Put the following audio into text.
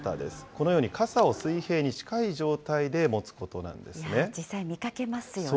このように傘を水平に近い状態で実際、見かけますよね。